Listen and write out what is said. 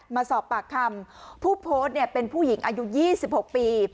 มาสอบปากคำผู้โพสต์เนี่ยเป็นผู้หญิงอายุยี่สิบหกปี